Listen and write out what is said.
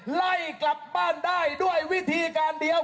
ไล่กลับบ้านได้ด้วยวิธีการเดียว